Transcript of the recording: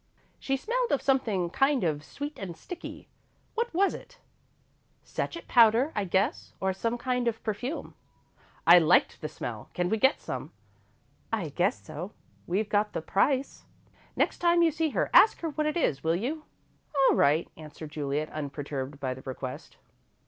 "She smelled of something kind of sweet and sticky. What was it?' "Sachet powder, I guess, or some kind of perfume." "I liked the smell. Can we get some?" "I guess so we've got the price." "Next time you see her, ask her what it is, will you?" "All right," answered Juliet, unperturbed by the request.